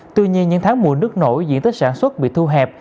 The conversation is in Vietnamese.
tuy nhiên những tháng mùa nước nổi diện tích sản xuất bị thu hẹp